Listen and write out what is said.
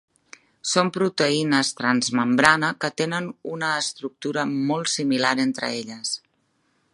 Són proteïnes transmembrana que tenen una estructura molt similar entre elles.